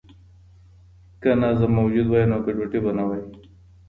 که نظم موجود وای نو ګډوډي به نه وای.